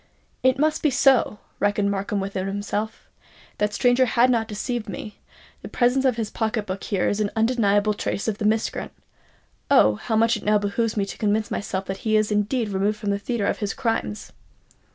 "It must be so!" reasoned Markham within himself; "that stranger has not deceived me:—the presence of this pocket book here is an undeniable trace of the miscreant. Oh, how much it now behoves me to convince myself that he is indeed removed from the theatre of his crimes!"